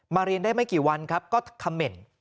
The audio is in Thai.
เรียนได้ไม่กี่วันครับก็คำเหม็น